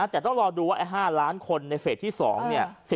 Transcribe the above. แต่ต้องรอดูว่า๕ล้านคนในเฟสที่๒เนี่ย